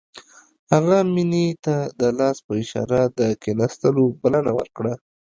هغه مينې ته د لاس په اشاره د کښېناستو بلنه ورکړه.